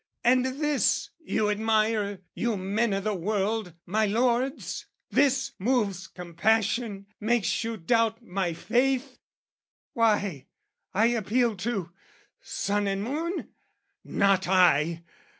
And this you admire, you men o' the world, my lords? This moves compassion, makes you doubt my faith? Why, I appeal to...sun and moon? Not I!